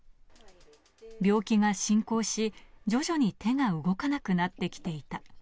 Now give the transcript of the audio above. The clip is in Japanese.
病気が進行し、徐々に手が動かなくなってきていた。